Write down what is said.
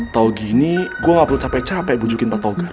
tau gini gue gak perlu capek capek bujukin pak togar